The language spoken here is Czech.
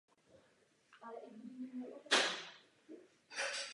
Stránky deníků byly rozděleny na horní a spodní sekci.